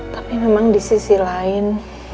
tapi memang di sisi lain